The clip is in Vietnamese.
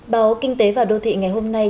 báo kinh tế và đô thị ngày hôm nay